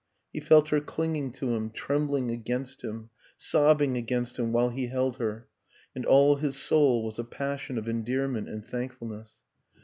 He felt her clinging to him, trembling against him, sobbing against him while he held her and all his soul was a passion of endearment and thankfulness.